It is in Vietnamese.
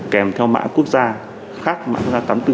kèm theo mã quốc gia khác mã quốc gia tám mươi bốn